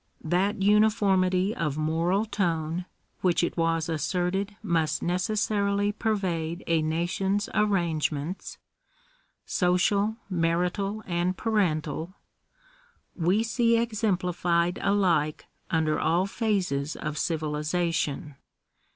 That uniformity of moral tone, which it was asserted must necessarily pervade a nation's arrangements — social, marital, and parental, we see exemplified alike under all phases of civilisation.